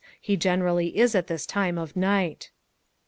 He generally is at this time of night."